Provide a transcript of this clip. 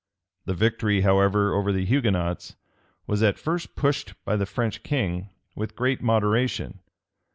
The victory, however, over the Hugonots, was at first pushed by the French king with great moderation.